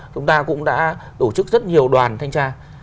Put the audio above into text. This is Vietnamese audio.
chúng ta cũng đã tổ chức rất nhiều đoàn thanh tra